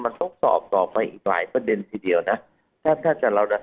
มันต้องสอบต่อไปอีกหลายประเด็นทีเดียวนะถ้าถ้าจะเราจะ